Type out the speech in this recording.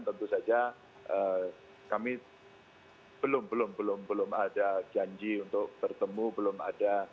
tentu saja kami belum belum belum ada janji untuk bertemu belum ada